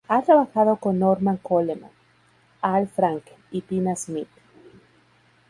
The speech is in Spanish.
Ha trabajado con Norman Coleman, Al Franken y Tina Smith.